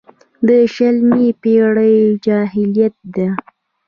د شلمې پېړۍ جاهلیت ده.